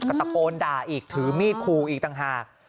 ก็ตะโกนด่าอีกถือมีดขู่อีกต่างหาก